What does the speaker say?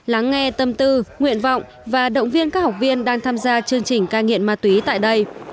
lắng nghe tâm tư nguyện vọng và động viên các học viên đang tham gia chương trình ca nghiện ma túy tại đây